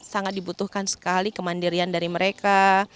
sangat dibutuhkan sekali kemandirian dari mereka